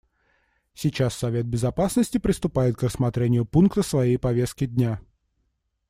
Сейчас Совет Безопасности приступает к рассмотрению пункта своей повестки дня.